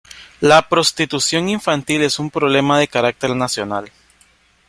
La prostitución infantil es un problema de carácter nacional.